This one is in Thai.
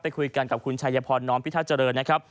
ไปคุยกันกับคุณชายพรนรพิทธาเจริญนะครับ